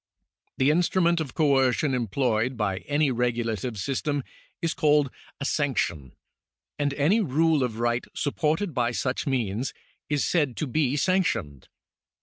The instrument of coercion employed by any regulative system is called a sanction, and any rule of right supported by such means is said to be sanctioned.